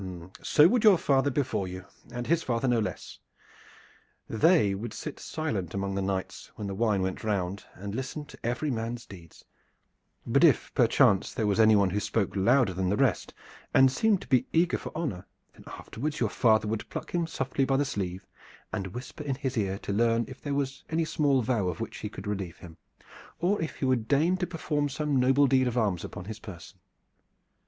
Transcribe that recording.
"So would your father before you, and his father no less. They would sit silent among the knights when the wine went round and listen to every man's deeds; but if perchance there was anyone who spoke louder than the rest and seemed to be eager for honor, then afterwards your father would pluck him softly by the sleeve and whisper in his ear to learn if there was any small vow of which he could relieve him, or if he would deign to perform some noble deed of arms upon his person.